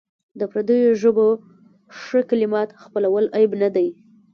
د پردیو ژبو ښه کلمات خپلول عیب نه دی.